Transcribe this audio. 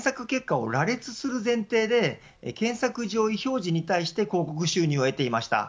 これまでグーグルは検索結果を羅列する前提で検索上位表示に対して広告収入を得ていました。